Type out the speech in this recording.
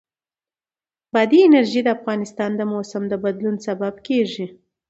بادي انرژي د افغانستان د موسم د بدلون سبب کېږي.